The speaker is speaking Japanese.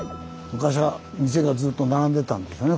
昔は店がずっと並んでたんでしょうね